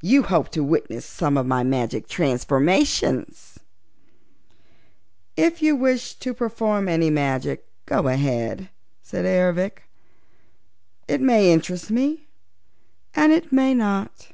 You hope to witness some of my magic transformations?" "If you wish to perform any magic, go ahead," said Ervic. "It may interest me and it may not.